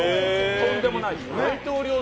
とんでもない人。